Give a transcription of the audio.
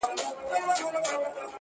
زه به دلته قتل باسم د خپلوانو!!